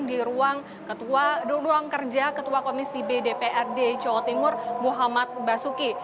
di ruang kerja ketua komisi b dprd jawa timur muhammad basuki